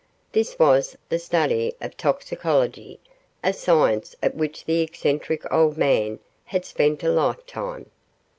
This was the study of toxicology, a science at which the eccentric old man had spent a lifetime.